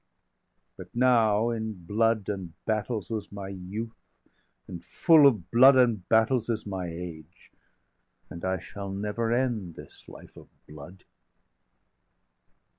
_ But now in blood and battles was my youth, And full of blood and battles is my age, 825 And I shall never end this life of blood."